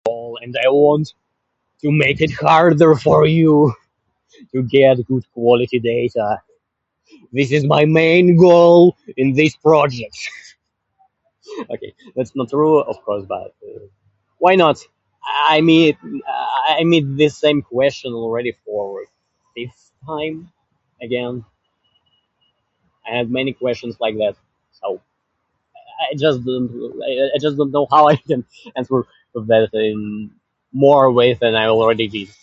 I want to make it harder for you to get good quality data. This is my main goal in this project. Okay, that's not true of course but, why not? I mean the same question already for it. This time, again, I had many questions like that. So. I just don't know how I can ever provide in more ways than I already give.